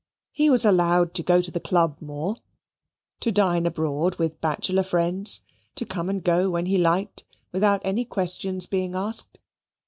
He was allowed to go to the club more; to dine abroad with bachelor friends; to come and go when he liked, without any questions being asked.